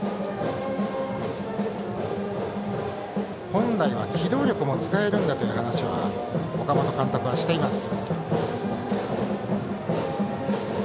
本来は機動力も使えるんだという話を岡本監督はしています。